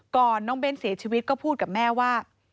น้องเบ้นเสียชีวิตก็พูดกับแม่ว่า